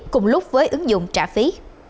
cùng lúc với ứng dụng trả phí